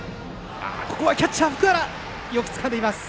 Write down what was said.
キャッチャー、福原よくつかんでいます！